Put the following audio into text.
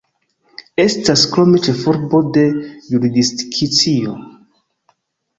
Estas krome ĉefurbo de jurisdikcio.